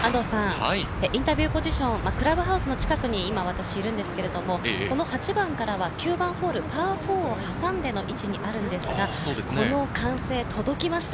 インタビューポジション、クラブハウスの近くに今、私いるんですけれど、この８番からは９番ホール、パー４を挟んでの位置にあるんですが、この歓声、届きました。